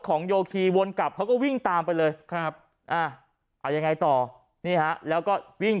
โยคีวนกลับเขาก็วิ่งตามไปเลยครับเอายังไงต่อนี่ฮะแล้วก็วิ่ง